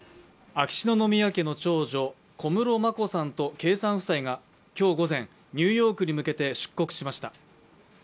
秋篠宮家の長女、小室眞子さんと圭さん夫妻が今日午前、ニューヨークに向けて出国しました。